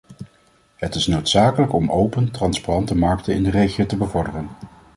Het is noodzakelijk om open, transparante markten in de regio te bevorderen.